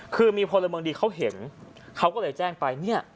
คือมีพลเมืองดีเขาเห็นเขาก็เลยแจ้งไปเนี่ย